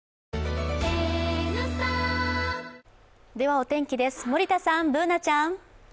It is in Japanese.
お天気です、森田さん、Ｂｏｏｎａちゃん。